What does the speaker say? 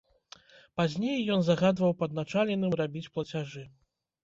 Пазней ён загадваў падначаленым рабіць плацяжы.